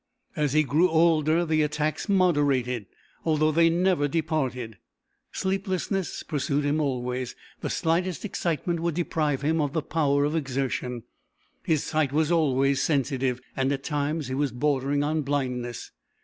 As he grew older the attacks moderated, although they never departed. Sleeplessness pursued him always, the slightest excitement would deprive him of the power of exertion, his sight was always sensitive, and at times he was bordering on blindness.